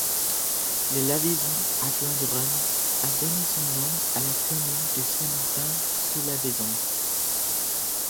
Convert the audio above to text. Le Lavézon, affluent du Rhône, a donné son nom à la commune de Saint-Martin-sur-Lavezon.